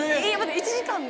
１時間で？